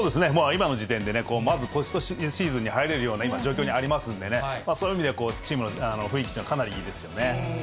今の時点で、まずポストシーズンに入れるような今、状況にありますんでね、そういう意味で、チームの雰囲気というのはかなりいいですよね。